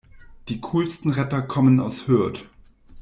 Die coolsten Rapper kommen aus Hürth.